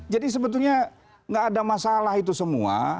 jadi sebetulnya enggak ada masalah itu semua